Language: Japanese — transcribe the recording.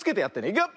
いくよ！